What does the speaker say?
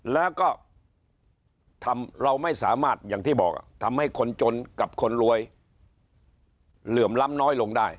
แล้วก็เราไม่สามารถอย่างที่บอกทำให้คนจนกับคนรวยเหลื่อมล้ำน้อยลงได้